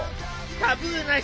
タブーなし！